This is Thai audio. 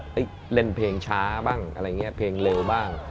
เล่นเพลงช้าบ้างอะไรอย่างนี้เพลงเร็วบ้าง